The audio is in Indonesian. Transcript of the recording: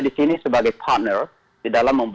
di sini sebagai partner di dalam